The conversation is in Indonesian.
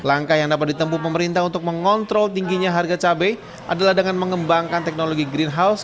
langkah yang dapat ditempuh pemerintah untuk mengontrol tingginya harga cabai adalah dengan mengembangkan teknologi greenhouse